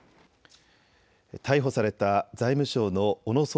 逮捕された財務省の小野総括